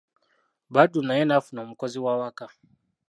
Badru naye n'afuna omukozi w'awaka.